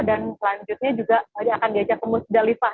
dan selanjutnya juga akan diajak ke musdalifah